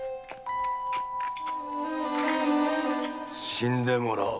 死んでもらおう。